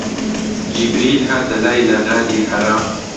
جیبریل هاتە لای لە غاری حەرا